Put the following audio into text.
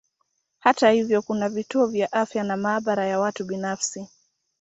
Hata hivyo kuna vituo vya afya na maabara ya watu binafsi pia.